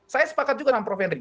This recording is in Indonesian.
saya sepakat juga dengan prof henry